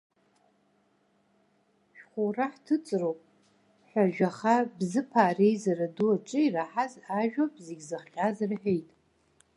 Шәхәура ҳҭыҵроуп ҳәа жәаха бзыԥаа реизара ду аҿы ираҳаз ажәоуп зегь зыхҟьаз рҳәеит.